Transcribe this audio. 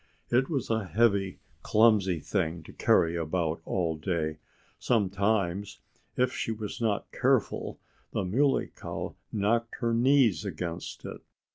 It was a heavy, clumsy thing to carry about all day. Sometimes, if she was not careful, the Muley Cow knocked her knees against it.